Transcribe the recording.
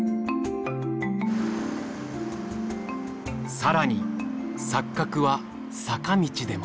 更に錯覚は坂道でも。